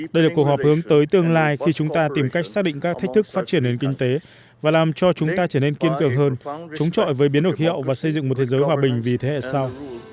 đây là cuộc họp hướng tới tương lai khi chúng ta tìm cách xác định các thách thức phát triển nền kinh tế và làm cho chúng ta trở nên kiên cường hơn chống chọi với biến đổi khí hậu và xây dựng một thế giới hòa bình vì thế hệ sau